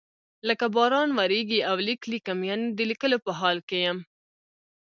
لکه باران وریږي او لیک لیکم یعنی د لیکلو په حال کې یم.